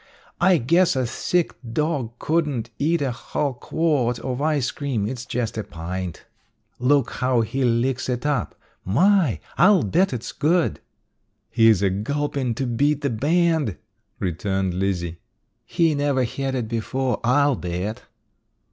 I guess a sick dog couldn't eat a hull quart of ice cream it's jest a pint." "Look how he licks it up. My! I'll bet it's good!" "He's a gulpin' to beat the band," returned Lizzie. "He never hed it before, I'll bet."